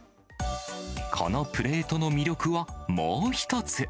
このプレートの魅力はもう一つ。